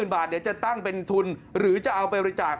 ๓๐๐๐๐บาทจะตั้งเป็นทุนหรือจะเอาไปบริจาค